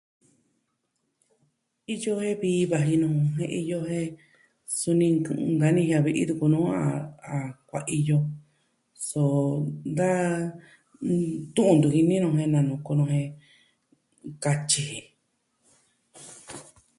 Iyo jen vi vaji nu jen iyo jen, suni ntu nkanii ya ve'i tuku nu a kuaiyo. so da tun ntu jini nuu jen nanu kunu jen katyi ji.